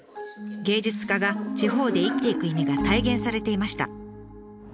芸術家が地方で生きていく意味が体現されていました。